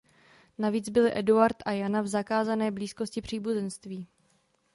Navíc byli Eduard a Jana v zakázané blízkosti příbuzenství.